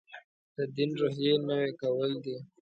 تدین روحیې نوي کول دی.